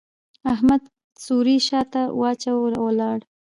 احمد څوری شا ته واچاوو؛ ولاړ.